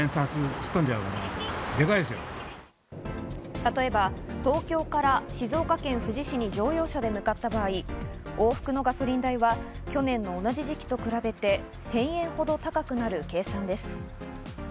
例えば東京から静岡県富士市に乗用車で向かった場合、往復のガソリン代は去年の同じ時期と比べて１０００円ほど高くなる計算です。